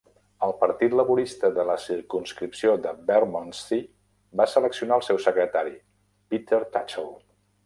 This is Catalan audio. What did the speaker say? El Partit Laborista de la circumscripció de Bermondsey va seleccionar el seu secretari Peter Tatchell.